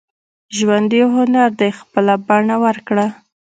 • ژوند یو هنر دی، خپله بڼه ورکړه.